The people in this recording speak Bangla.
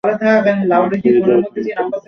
মদ খেয়েই যদি থামত।